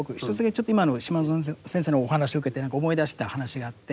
ちょっと今の島薗先生のお話を受けて何か思い出した話があって。